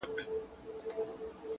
زما په يو حالت کښي شر نه لكي